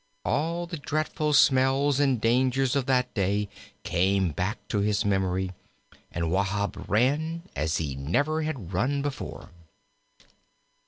All the dreadful smells and dangers of that day came back to his memory, and Wahb ran as he never had run before.